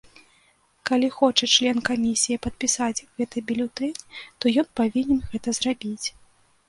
Калі хоча член камісіі падпісаць гэты бюлетэнь, то ён павінен гэта зрабіць.